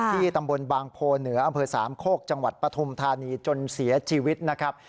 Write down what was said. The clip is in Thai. ตำบลบางโพเหนืออำเภอสามโคกจังหวัดปฐุมธานีจนเสียชีวิตนะครับ